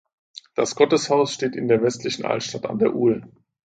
Das Gotteshaus steht in der westlichen Altstadt an der ul.